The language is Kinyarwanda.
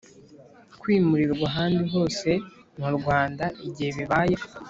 Kwimurirwa ahandi hose mu rwanda igihe bibaye